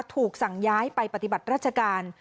ถูกสั่งย้ายไปปฏิบัติราชการ